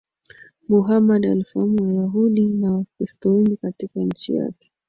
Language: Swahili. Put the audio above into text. Muhammad alifahamu Wayahudi na Wakristo wengi katika nchi yake